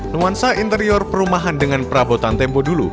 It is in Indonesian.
nuansa interior perumahan dengan perabotan tempo dulu